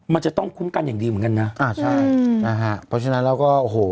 มันจะต้องคุ้มกันอย่างดีเหมือนกันนะอ่าใช่นะฮะเพราะฉะนั้นเราก็โอ้โห